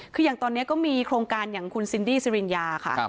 คืออย่างตอนนี้ก็มีโครงการอย่างคุณซินดี้สิริญญาค่ะ